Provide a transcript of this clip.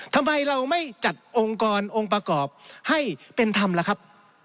ทำไมเราไม่จัดองค์กรองค์ประกอบให้เป็นธรรมล่ะครับ